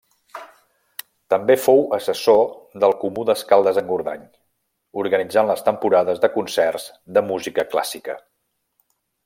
També fou assessor del Comú d'Escaldes-Engordany organitzant les temporades de concerts de música clàssica.